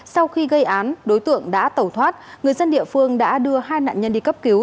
sau khi gây án đối tượng đã tẩu thoát người dân địa phương đã đưa hai nạn nhân đi cấp cứu